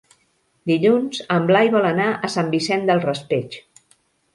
Dilluns en Blai vol anar a Sant Vicent del Raspeig.